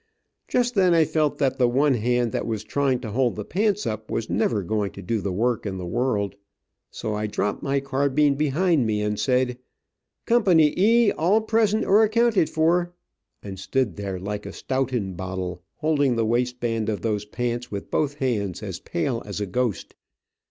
Just then I felt that the one hand that was trying to hold the pants up, was never going to do the work in the world, so I dropped my carbine behind me, said, "Co. E, all present or accounted for," and stood there like a stoughton bottle, holding the waist band of those pants with both hands, as pale as a ghost.